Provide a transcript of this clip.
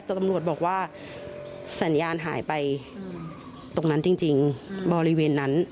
ตำรวจบอกว่าสัญญาณหายไปตรงนั้นจริงบริเวณนั้น